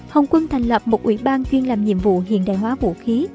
hồng quân thành lập một ủy ban chuyên làm nhiệm vụ hiện đại hóa vũ khí